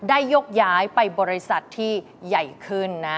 ยกย้ายไปบริษัทที่ใหญ่ขึ้นนะ